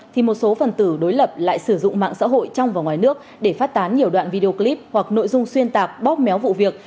thì một số phần tử đối lập lại sử dụng mạng xã hội trong và ngoài nước để phát tán nhiều đoạn video clip hoặc nội dung xuyên tạc bóp méo vụ việc